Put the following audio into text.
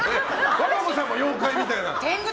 和歌子さんも妖怪みたいな。